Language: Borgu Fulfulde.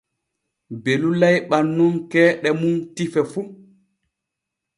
Belu layɓan nun keeɗe mum tife fu.